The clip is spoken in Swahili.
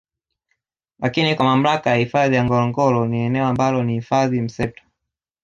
Lakini kwa mamlaka ya hifadhi ya Ngorongoro ni eneo ambalo ni hifadhi mseto